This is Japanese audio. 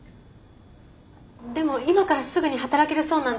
でも今からすぐに働けるそうなんです。